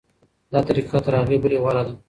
دا طریقه تر هغې بلې غوره ده.